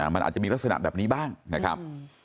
มันอาจจะมีลักษณะแบบนี้บ้างนะครับ